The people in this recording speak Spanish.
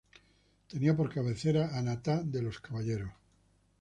Tenía por cabecera a Natá de los Caballeros.